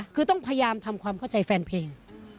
คือต้องพยายามทำความเข้าใจแฟนเพลง